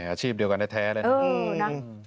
อาชีพเดียวกันได้แท้เลย